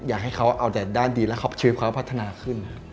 อยากให้เขาเอาแต่ด้านดีและชีวิตเขาพัฒนาขึ้น